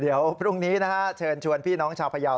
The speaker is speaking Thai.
เดี๋ยวพรุ่งนี้นะฮะเชิญชวนพี่น้องชาวพยาว